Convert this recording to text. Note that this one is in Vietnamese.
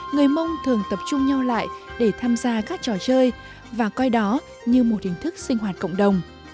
người mông thường tập trung nhau lại để tham gia các trò chơi và coi đó như một hình thức sinh hoạt cộng đồng